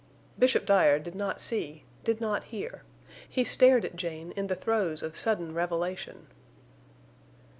Bishop Dyer did not see, did not hear: he stared at Jane in the throes of sudden revelation.